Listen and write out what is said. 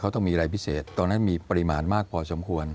ต้องมีอะไรพิเศษตอนนั้นมีปริมาณมากพอสมควร